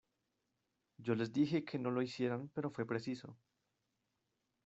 Yo les dije que no lo hicieran pero fué preciso.